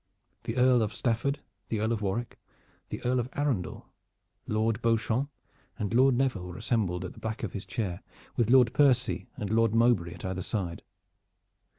The Earl of Stafford, the Earl of Warwick, the Earl of Arundel, Lord Beauchamp and Lord Neville were assembled at the back of his chair, with Lord Percy and Lord Mowbray at either side.